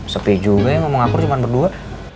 sepi juga ya ngomong akur cuma berdua